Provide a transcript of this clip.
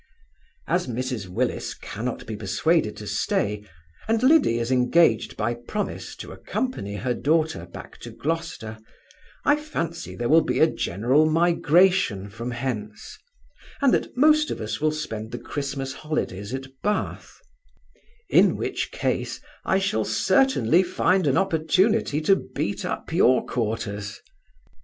As Mrs Willis cannot be persuaded to stay, and Liddy is engaged by promise to accompany her daughter back to Gloucester, I fancy there will be a general migration from hence, and that most of us will spend the Christmas holidays at Bath; in which case, I shall certainly find an opportunity to beat up your quarters.